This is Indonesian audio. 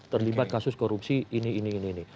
terlibat kasus korupsi ini ini ini ini